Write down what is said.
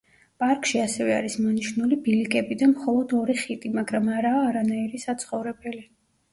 პარკში ასევე არის მონიშნული ბილიკები და მხოლოდ ორი ხიდი, მაგრამ არაა არანაირი საცხოვრებელი.